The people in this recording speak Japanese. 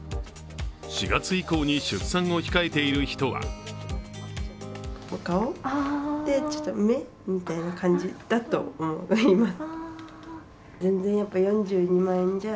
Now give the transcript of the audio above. ４月以降に出産を控えている人はここが顔で、目みたいな感じだと思います。